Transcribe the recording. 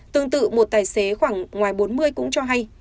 tương tự một tài xế khoảng ngoài bốn mươi cũng cho hay